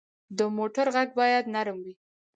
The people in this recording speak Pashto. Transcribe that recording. د موټر غږ باید نرم وي.